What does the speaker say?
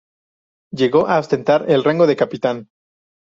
Llegó a ostentar el rango de capitán.